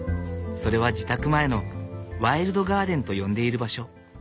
それは自宅前のワイルドガーデンと呼んでいる場所。